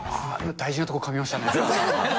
大事なとこかみましたね。